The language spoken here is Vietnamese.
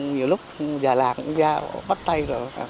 nhiều lúc già lạc ra bắt tay